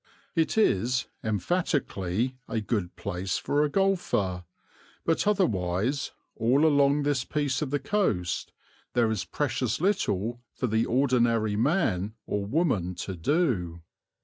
It is emphatically a good place for a golfer; but otherwise, all along this piece of the coast, there is precious little for the ordinary man or woman to do.